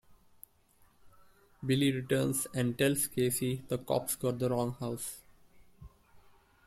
Billy returns and tells Casey the cops got the wrong house.